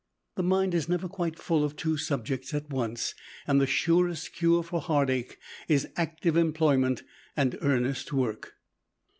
The mind is never quite full of two subjects at once, and the surest cure for heartache is active employment and earnest work.